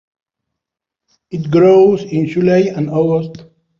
It grows in July and August.